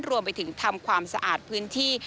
รวมไปถึงทำความสะอาดพื้นที่